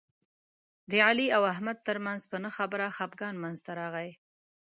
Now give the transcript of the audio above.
د علي او احمد ترمنځ په نه خبره خپګان منځ ته راغی.